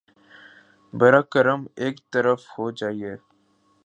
براہ کرم ایک طرف ہو جایئے